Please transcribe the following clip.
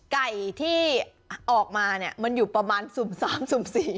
ไก่ที่ออกมาเนี่ยมันอยู่ประมาณสุ่ม๓สุ่ม๔